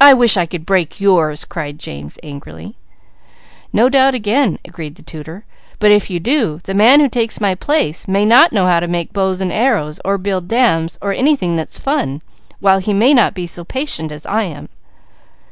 "I wish I could break yours!" cried James angrily. "No doubt again," agreed the tutor, "but if you do, the man who takes my place may not know how to make bows and arrows, or build dams, or anything that's fun, while he may not be so patient as I am."